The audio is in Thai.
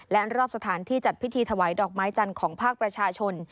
และรอบสถานที่จัดพิธีถวายดอกไม้จันทร์ของภาคประชาชน